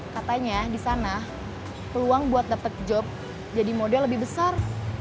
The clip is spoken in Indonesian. katanya di sana peluang buat dapet job jadi model lebih besar